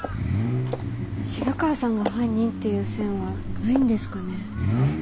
渋川さんが犯人っていう線はないんですかね。